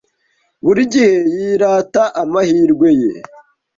Buri gihe yirata amahirwe ye.